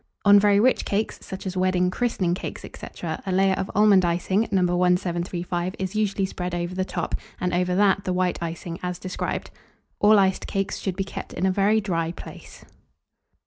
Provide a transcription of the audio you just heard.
On very rich cakes, such as wedding, christening cakes, &c., a layer of almond icing, No. 1735, is usually spread over the top, and over that the white icing as described. All iced cakes should be kept in a very dry place.